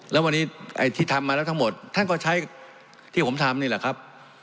แล้ววันนี้ไอ้ที่ทำมาแล้วทั้งหมดท่านก็ใช้ที่ผมทำนี่แหละครับ